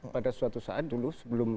pada suatu saat dulu